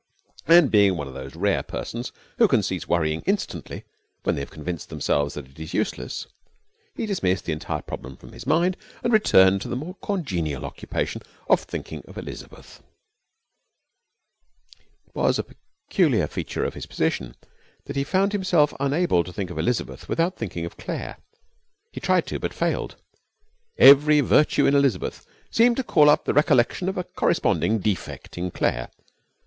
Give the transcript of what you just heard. And, being one of those rare persons who can cease worrying instantly when they have convinced themselves that it is useless, he dismissed the entire problem from his mind and returned to the more congenial occupation of thinking of Elizabeth. It was a peculiar feature of his position that he found himself unable to think of Elizabeth without thinking of Claire. He tried to, but failed. Every virtue in Elizabeth seemed to call up the recollection of a corresponding defect in Claire.